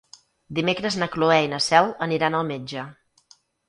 Dimecres na Cloè i na Cel aniran al metge.